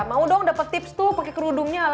mau dong dapat tips tuh pakai kerudungan